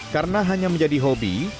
karena hanya menjadi hobi